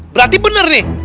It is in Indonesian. berarti benar nih